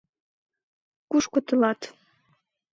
— Кушко тылат...